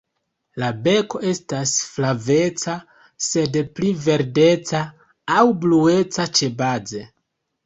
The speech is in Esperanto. La beko estas flaveca, sed pli verdeca aŭ blueca ĉebaze.